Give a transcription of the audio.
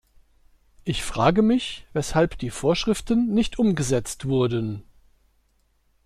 Ich frage mich, weshalb die Vorschriften nicht umgesetzt wurden.